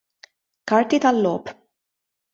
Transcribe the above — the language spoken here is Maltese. Karti tal-logħob.